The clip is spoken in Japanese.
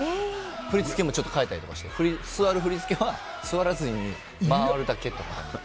振り付けもちょっと変えたりして座る振り付けを座らずに回るだけとかに。